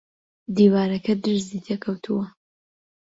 دیوارەکە درزی تێ کەوتووە